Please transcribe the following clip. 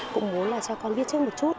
cũng muốn là cho con biết trước một chút